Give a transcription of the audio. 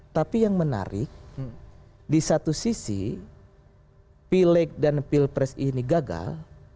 tapi yang menarik di satu sisi pileg dan pilpres ini gagal